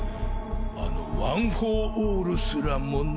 あのワン・フォー・オールすらもな。